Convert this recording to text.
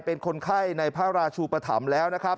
เป็นคนไข้ในพระราชูปธรรมแล้วนะครับ